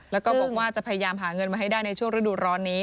แล้วก็บอกว่าจะพยายามหาเงินมาให้ได้ในช่วงฤดูร้อนนี้